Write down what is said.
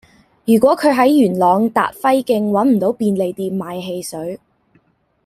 如果佢喺元朗達輝徑搵唔到便利店買汽水